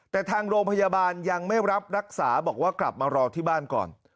แต่ทางโรงพยาบาลยังไม่รับรักษาบอกว่ากลับมารอที่บ้านก่อน